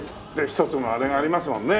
一つのあれがありますもんね。